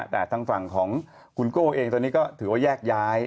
แต่ทางฝั่งของคุณโก้เองตอนนี้ก็ถือว่าแยกย้าย